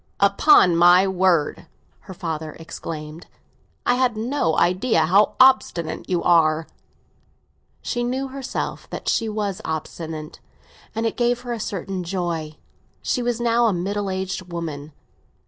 "Upon my word," her father explained, "I had no idea how obstinate you are!" She knew herself that she was obstinate, and it gave her a certain joy. She was now a middle aged woman.